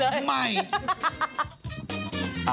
ก็ต้องก็ให้เยอะ